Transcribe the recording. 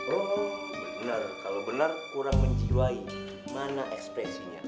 oh bener kalau bener kurang menjiwai mana ekspresinya